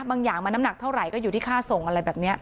อย่างมันน้ำหนักเท่าไหร่ก็อยู่ที่ค่าส่งอะไรแบบนี้